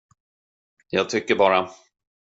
Jag tycker bara.